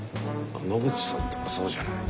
野口さんとかそうじゃない。